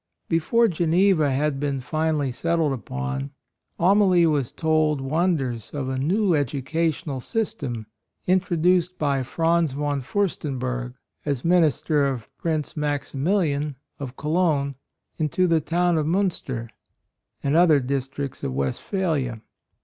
Before Geneva had been finally settled upon, Amalie was told wonders of a new educational system introduced by Franz von Fiirstenberg, as minister of Prince Maximilian of Cologne, into the town of Minister and 30 A ROYAL SON other districts of Westphalia.